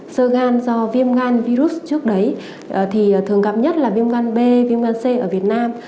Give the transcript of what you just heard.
sơ gan do viêm gan virus trước đấy thì thường gặp nhất là viêm gan b viêm gan c ở việt nam